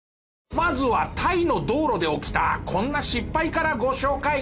まずはタイの道路で起きたこんな失敗からご紹介。